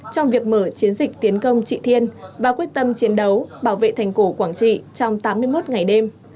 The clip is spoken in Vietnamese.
trong việc mở chiến dịch tiến công trị thiên và quyết tâm chiến đấu bảo vệ thành cổ quảng trị trong tám mươi một ngày đêm